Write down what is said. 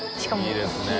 いいですね。